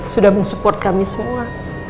sudah men support kami semua